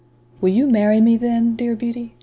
"Will you marry me, then, dear Beauty?"